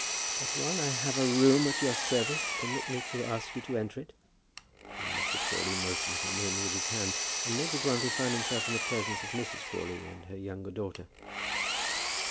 But while I have a room at your service, permit me to ask you to enter it." Then Mr. Crawley motioned him in with his hand, and Major Grantly found himself in the presence of Mrs. Crawley and her younger daughter.